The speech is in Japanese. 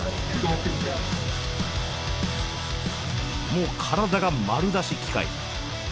もう体が丸出し機械。